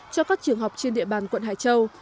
cho các trường học trên địa bàn quận hải châu